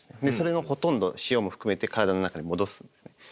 でそれのほとんど塩も含めて体の中に戻すんですね。